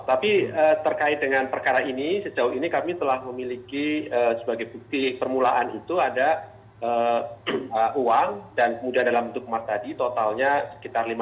tapi terkait dengan perkara ini sejauh ini kami telah memiliki sebagai bukti permulaan itu ada uang dan kemudian dalam bentuk emas tadi totalnya sekitar lima ratus